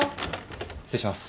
失礼します。